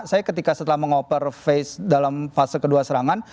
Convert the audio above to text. saya ketika setelah mengoper face dalam fase kedua serangan